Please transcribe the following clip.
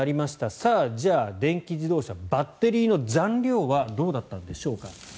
さあ、じゃあ電気自動車のバッテリーの残量はどうだったのでしょうか。